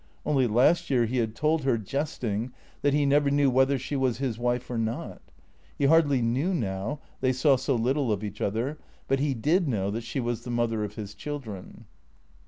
Only last year he had told her, jesting, that he never knew whether she was his wife or not. He hardly knew now (they saw so little of each other) ; but he did know that she was the mother of his children.